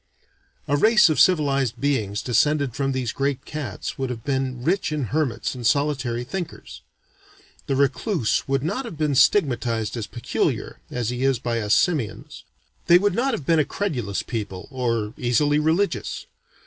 A race of civilized beings descended from these great cats would have been rich in hermits and solitary thinkers. The recluse would not have been stigmatized as peculiar, as he is by us simians. They would not have been a credulous people, or easily religious.